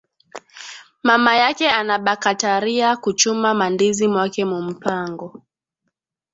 Mamayake anabakatariya ku chuma ma ndizi mwake mu mpango